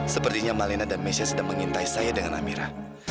sepertinya malinah dan mesia sudah mengintai saya dengan amira